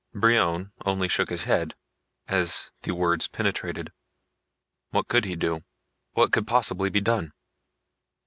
Brion only shook his head as the words penetrated. What could he do? What could possibly be done?